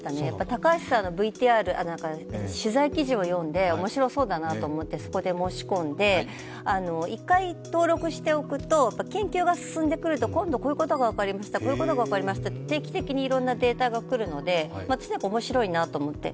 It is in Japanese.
高橋さんの取材記事を読んでおもしろそうだなと思ってそこで申し込んで、１回登録しておくと、研究が進んでくると今度こういうことが分かりました、こういうことが分かりましたと定期的にいろんなデータが来るので、おもしろいなと思って。